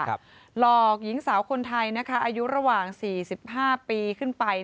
หลอกหญิงสาวคนไทยนะคะอายุระหว่าง๔๕ปีขึ้นไป